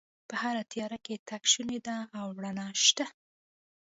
په هره تیاره کې تګ شونی دی او رڼا شته